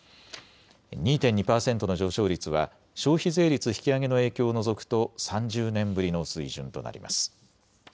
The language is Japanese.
２．２％の上昇率は消費税率引き上げの影響を除くと３０年ぶりの水準となります。